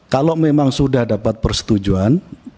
kalau memang sudah dapat persetujuan